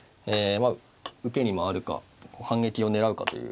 受けに回るか反撃を狙うかという。